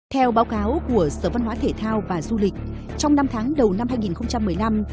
theo báo cáo của sở văn hóa thể thao và du lịch trong năm tháng đầu năm hai nghìn một mươi năm